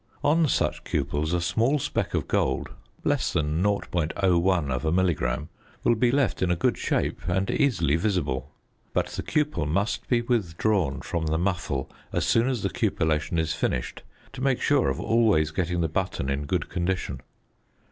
On such cupels a small speck of gold (less than .01 milligram) will be left in a good shape and easily visible; but the cupel must be withdrawn from the muffle as soon as the cupellation is finished to make sure of always getting the button in good condition.